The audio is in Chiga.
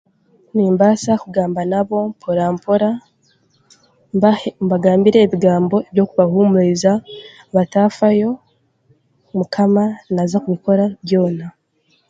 Nimbaasa kugamba nabo mpora-mpora mbagambire ebigambo ebyokubahuumuriza bataafayo mukama naija kukora byona